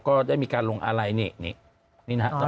ก็ได้มีการลงอะไรนี่นี่นะฮะ